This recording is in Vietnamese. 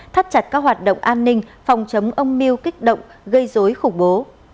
thắt chặt các hoạt động an ninh phòng chống ông miu kích động gây dối khủng bố